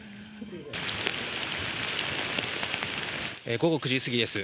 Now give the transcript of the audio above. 午後９時過ぎです。